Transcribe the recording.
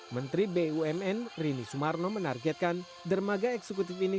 menteri bumn rini sumarno menargetkan dermaga eksekutif ini